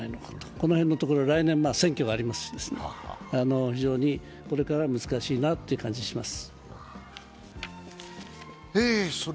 この辺のところ、来年は選挙がありますしね非常にこれから難しいなという感じがします。